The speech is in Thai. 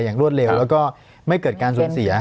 รวดเร็วแล้วก็ไม่เกิดการสูญเสีย